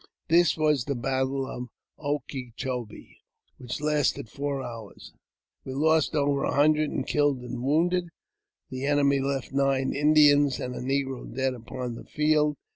This was the battle of 0 ke cho be, which lasted four hours. We lost over a hundred in killed and wounded ; the enemy left nine Indians and a negro dead upon the field.